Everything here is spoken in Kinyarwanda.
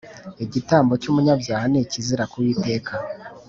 igitambo cy’umunyabyaha ni ikizira ku uwiteka,